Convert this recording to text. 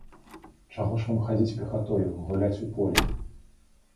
Чаго ж вам хадзіць пехатою, гуляць у полі?